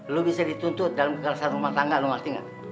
lu bisa dituntut dalam kekerasan rumah tangga lu ngerti gak